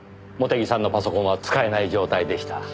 茂手木さんのパソコンは使えない状態でした。